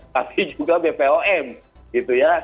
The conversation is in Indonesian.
tapi juga bpom gitu ya